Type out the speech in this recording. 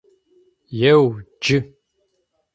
Еу, джы!